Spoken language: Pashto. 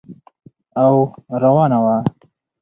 او روانه وه.